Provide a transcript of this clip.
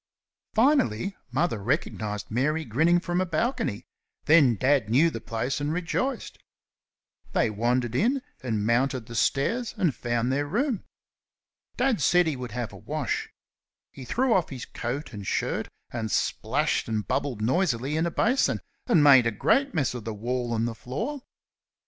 Finally Mother recognised Mary grinning from a balcony, then Dad knew the place and rejoiced. They wandered in and mounted the stairs and found their room. Dad said he would have a wash. He threw off his coat and shirt and splashed and bubbled noisily in a basin, and made a great mess of the wall and the floor.